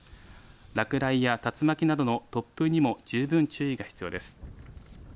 落雷や竜巻などの突風にも十分注意が必要です。